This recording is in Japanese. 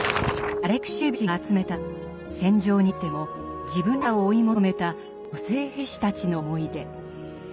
アレクシエーヴィチが集めたのは戦場にあっても自分らしさを追い求めた女性兵士たちの思い出。